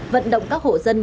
vận động các hộ dân